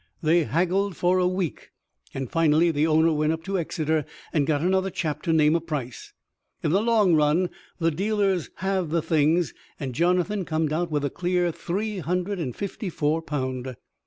They haggled for a week, and finally the owner went up to Exeter and got another chap to name a price. In the long run, the dealers halved the things, and Jonathan comed out with a clear three hundred and fifty four pound.